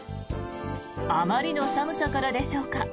あまりの寒さからでしょうか。